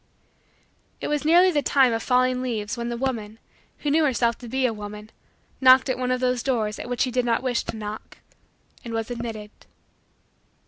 It was nearly the time of falling leaves when the woman, who knew herself to be a woman, knocked at one of those doors, at which she did not wish to knock, and was admitted.